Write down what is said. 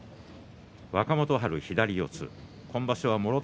若元春、左四つ。